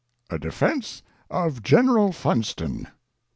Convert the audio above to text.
A DEFENCE OF GENERAL FUNSTON.